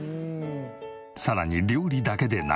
さらに料理だけでなく。